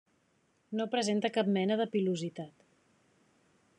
No presenta cap mena de pilositat.